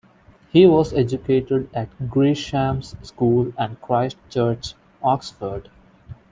He was educated at Gresham's School and Christ Church, Oxford.